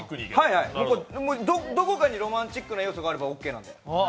どこかにロマンチックな要素があればオーケーなんで。